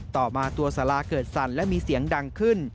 ต่อมาตัวสาราเกิดสั่นและมีเสียงดังขึ้น